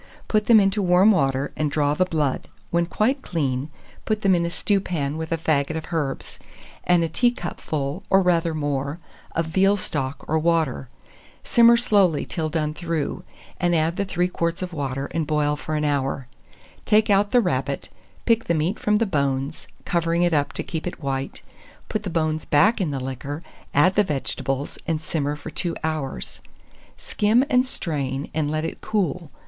Put them into warm water, and draw the blood; when quite clean, put them in a stewpan, with a faggot of herbs, and a teacupful, or rather more, of veal stock or water. Simmer slowly till done through, and add the 3 quarts of water, and boil for an hour. Take out the rabbet, pick the meat from the bones, covering it up to keep it white; put the bones back in the liquor, add the vegetables, and simmer for 2 hours; skim and strain, and let it cool.